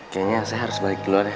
kayaknya saya harus balik dulu deh